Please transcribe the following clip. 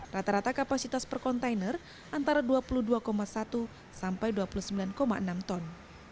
rata rata kapasitas per kontainer antara dua puluh dua satu sampai dua puluh sembilan enam ton